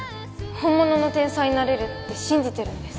本物の天才になれるって信じてるんです